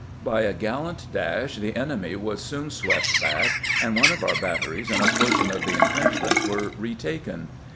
By a gallant dash the enemy was soon swept back, and one of our batteries and a portion of the intrenchments were retaken.